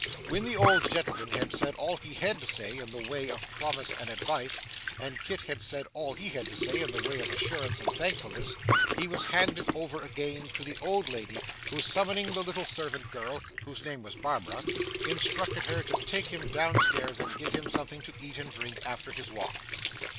When the old gentleman had said all he had to say in the way of promise and advice, and Kit had said all he had to say in the way of assurance and thankfulness, he was handed over again to the old lady, who, summoning the little servant girl (whose name was Barbara) instructed her to take him down stairs and give him something to eat and drink, after his walk.